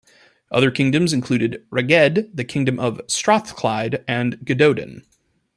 Other kingdoms included Rheged, the Kingdom of Strathclyde, and Gododdin.